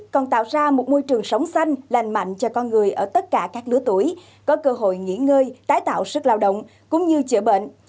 còn tạo ra một môi trường sống xanh lành mạnh cho con người ở tất cả các lứa tuổi có cơ hội nghỉ ngơi tái tạo sức lao động cũng như chữa bệnh